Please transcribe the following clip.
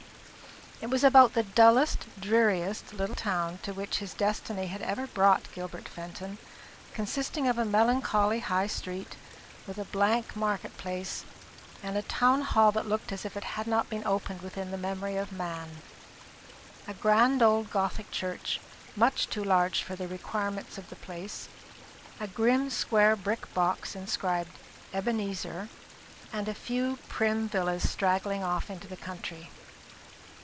It was about the dullest dreariest little town to which his destiny had ever brought Gilbert Fenton, consisting of a melancholy high street, with a blank market place, and a town hall that looked as if it had not been opened within the memory of man; a grand old gothic church, much too large for the requirements of the place; a grim square brick box inscribed "Ebenezer;" and a few prim villas straggling off into the country.